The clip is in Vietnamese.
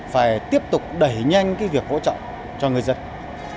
phải tiếp tục đẩy nhanh cái việc hỗ trợ cho người dân đặc biệt là quan tâm đến đối tượng